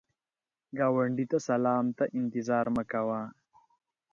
ګاونډي ته سلام ته انتظار مه کوه